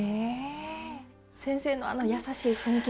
先生のあの優しい雰囲気